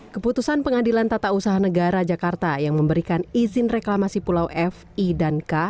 keputusan pengadilan tata usaha negara jakarta yang memberikan izin reklamasi pulau fi dan k